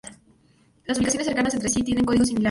Las ubicaciones cercanas entre sí tienen códigos similares.